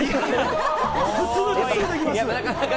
すぐできます。